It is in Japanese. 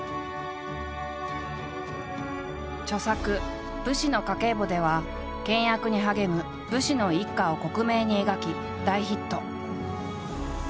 著作「武士の家計簿」では倹約に励む武士の一家を克明に描き大ヒット。